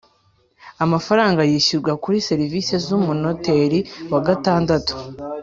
Amafaranga yishyurwa kuri sirivisi z umunoteri wa gatandatu